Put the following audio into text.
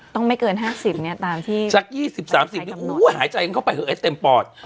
ต้องไม่เกิน๕๐เนี่ยตามที่จาก๒๐๓๐หายใจก็ไปเผ็ดเต็มปอด